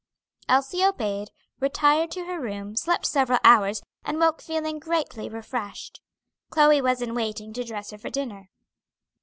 Elsie obeyed, retired to her room, slept several hours, and woke feeling greatly refreshed. Chloe was in waiting to dress her for dinner.